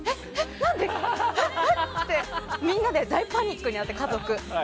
何で？ってみんなで大パニックになって家族で。